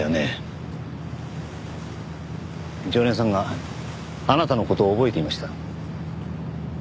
常連さんがあなたの事を覚えていました。